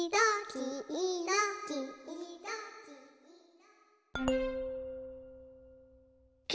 きいろきいろきいろ。